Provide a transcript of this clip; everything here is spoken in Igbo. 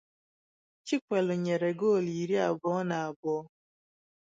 Chikwelu nyere goolu iri abụọ na abụọ.